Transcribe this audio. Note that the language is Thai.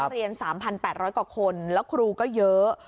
เรียน๓๘๐๐กว่าคนแล้วครูก็เยอะ